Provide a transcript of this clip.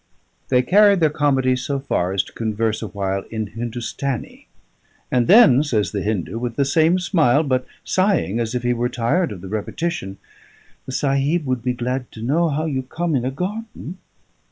They carried their comedy so far as to converse a while in Hindustanee; and then says the Hindu, with the same smile, but sighing as if he were tired of the repetition, "The Sahib would be glad to know how you come in a garden."